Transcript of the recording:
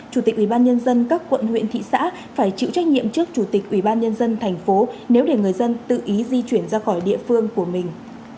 chủ tịch ubnd các quận huyện thị xã phải chịu trách nhiệm trước chủ tịch ubnd tp nếu để người dân tự ý di chuyển ra khỏi địa phương của mình